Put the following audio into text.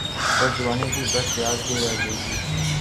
اورجوانی کی بس یاد ہی رہ گئی تھی۔